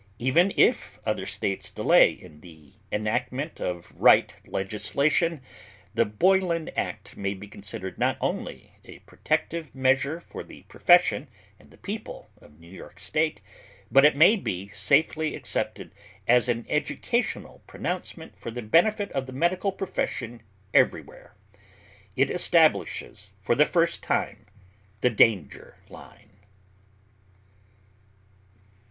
Even if other States delay in the enactment of right legislation, the Boylan Act may be considered not only a protective measure for the profession and the people of New York State, but it may be safely accepted as an educational pronouncement for the benefit of the medical profession everywhere. It establishes for the first time the danger line.